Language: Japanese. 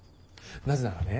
なぜならね